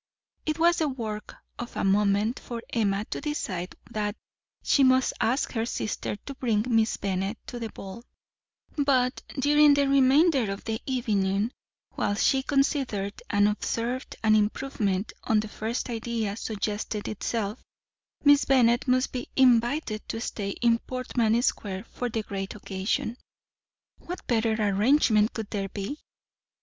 It was the work of a moment for Emma to decide that she must ask her sister to bring Miss Bennet to the ball; but during the remainder of the evening, while she considered and observed, an improvement on the first idea suggested itself; Miss Bennet must be invited to stay in Portman Square for the great occasion. What better arrangement could there be?